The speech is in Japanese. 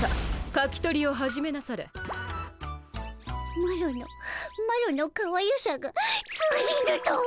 マロのマロのかわゆさが通じぬとは。